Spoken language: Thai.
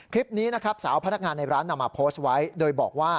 คลิปนี้นะครับสาวพนักงานในร้านนำมาโพสต์ไว้โดยบอกว่า